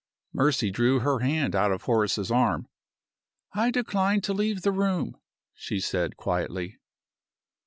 Mercy drew her hand out of Horace's arm. "I decline to leave the room," she said, quietly.